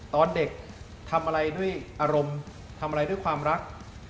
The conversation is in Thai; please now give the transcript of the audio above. ตอนเด็กทำอะไรด้วยอารมณ์ทำอะไรด้วยความรัก